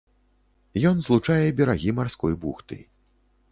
Ён злучае берагі марской бухты.